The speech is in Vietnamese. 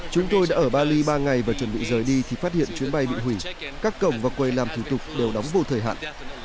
chúng tôi đã ở bali ba ngày và chuẩn bị rời đi thì phát hiện chuyến bay bị hủy các cổng và quầy làm thủ tục đều đóng vô thời hạn